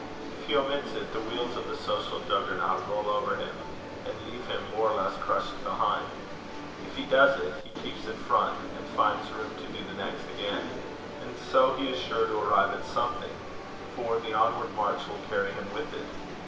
If he omits it, the wheels of the social Juggernaut roll over him, and leave him more or less crushed behind. If he does it, he keeps in front, and finds room to do the next again; and so he is sure to arrive at something, for the onward march will carry him with it.